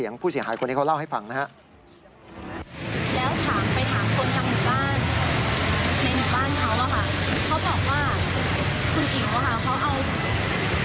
นะครับผู้เสียงขายคนที่เขาเล่าให้ฟังนะครับ